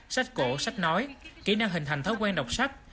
sách cổ sách nói kỹ năng hình thành thói quen đọc sách